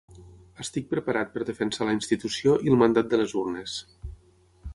Estic preparat per defensar la institució i el mandat de les urnes.